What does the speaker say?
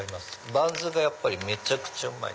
バンズがめちゃくちゃうまい。